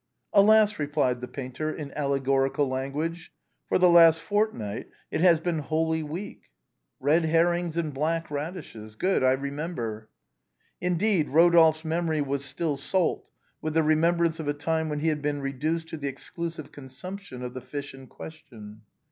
"Alas !" replied the painter, in allegorical language, " for the last fortnight it has been Holy Week." " Red herrings and black radishes. Good ; I remem ber. Indeed, Rodolphe's memory was still salt with the remembrance of a time when he had been reduced to the exclusive consumption of the fish in question.